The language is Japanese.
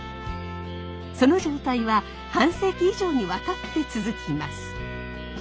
その状態は半世紀以上にわたって続きます。